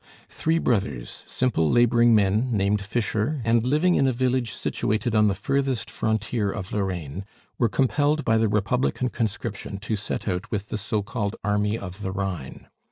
Three brothers, simple laboring men, named Fischer, and living in a village situated on the furthest frontier of Lorraine, were compelled by the Republican conscription to set out with the so called army of the Rhine.